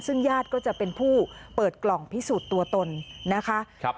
ซึ่งญาติก็จะเป็นผู้เปิดกล่องพิสูจน์ตัวตนนะคะ